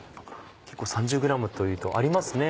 結構３０ｇというとありますね。